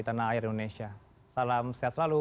tanah air indonesia salam sehat selalu